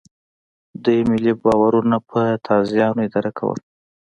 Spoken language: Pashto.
دوی ملي باورونه په تازیانو اداره کول.